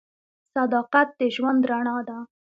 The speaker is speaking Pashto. صداقت د ژوند رڼا ده.